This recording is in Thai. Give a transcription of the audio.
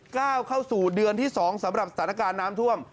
ก้าวเข้าสู่เดือนที่๒สำหรับสถานการณ์น้ำท่วม